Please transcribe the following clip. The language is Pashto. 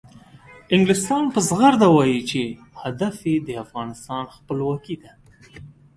انګلستان په زغرده وایي چې هدف یې د افغانستان خپلواکي ده.